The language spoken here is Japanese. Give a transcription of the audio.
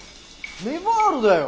ネヴァールだよ。